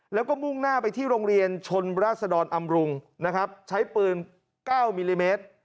แล้วก็มุ่งหน้าไปที่โรงเรียนชนราศดรอำรุงนะครับใช้ปืน๙มิลลิเมตร